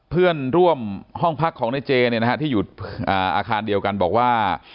เพื่อนร่วมห้องพักของในเจเนี่ยนะฮะที่อยู่อาคารเดียวกันบอกว่า